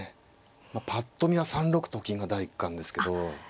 ぱっと見は３六と金が第一感ですけど。